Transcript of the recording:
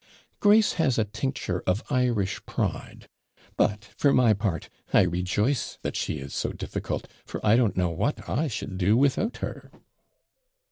Grace has a tincture of Irish pride. But, for my part, I rejoice that she is so difficult, for I don't know what I should do without her.'